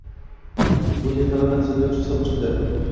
U yerto‘ladan sudrab chiqa boshladi.